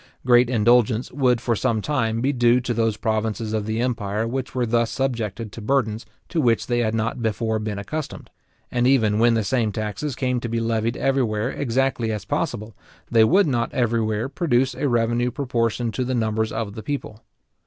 Great indulgence would for some time be due to those provinces of the empire which were thus subjected to burdens to which they had not before been accustomed; and even when the same taxes came to be levied everywhere as exactly as possible, they would not everywhere produce a revenue proportioned to the numbers of the people.